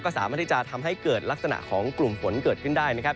สามารถที่จะทำให้เกิดลักษณะของกลุ่มฝนเกิดขึ้นได้นะครับ